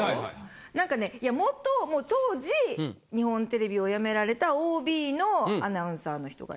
何かね元当時日本テレビを辞められたＯＢのアナウンサーの人が。